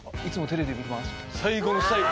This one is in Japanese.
最後の最後。